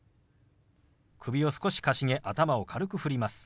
首を少しかしげ頭を軽く振ります。